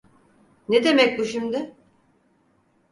Ne demek bu şimdi?